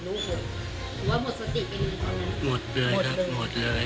คือยืนอยู่รถอย่างก็ป้ามซักเดินโล่งดังกล้านรถแข็งติดอย่าง